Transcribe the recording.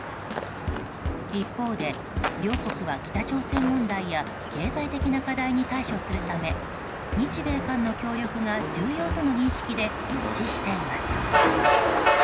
一方で、両国は北朝鮮問題や経済的な課題に対処するため日米韓の協力が重要との認識で一致しています。